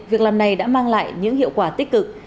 việc làm này đã mang lại những hiệu quả tích cực